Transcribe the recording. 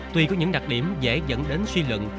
tuy có những đặc điểm dễ dẫn đến suy lự